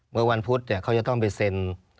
เมื่อวันพุธเขาจะต้องไปเซ็น